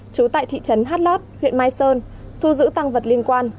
trú tại thị trấn hát lót huyện mai sơn thu giữ tăng vật liên quan